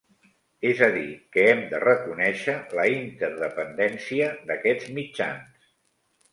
És a dir, que hem de reconèixer la interdependència d'aquests mitjans